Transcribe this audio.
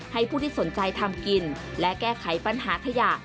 ผู้ที่สนใจทำกินและแก้ไขปัญหาขยะ